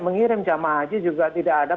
mengirim jamaah haji juga tidak ada